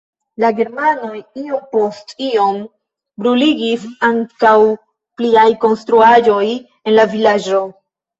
La germanoj iom post iom bruligis ankaŭ pliaj konstruaĵoj en la vilaĝo.